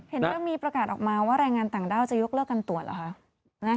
เห็นว่ามีประกาศออกมาว่าแรงงานต่างด้าวจะยกเลิกการตรวจเหรอคะ